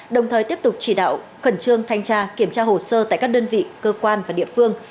đồng thời tiếp tục chỉ đạo khẩn trương thanh tra kiểm tra hồ sơ tại các đơn vị cơ quan và địa phương